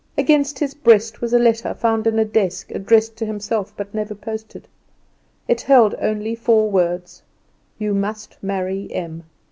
Against his breast was a letter found in the desk addressed to himself, but never posted. It held only four words: "You must marry Em."